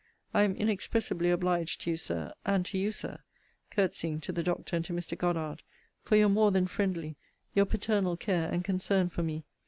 I am inexpressibly obliged to you, Sir, and to you, Sir, [courtesying to the doctor and to Mr. Goddard] for your more than friendly, your paternal care and concern for me.